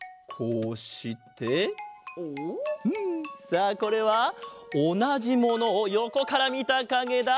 さあこれはおなじものをよこからみたかげだ。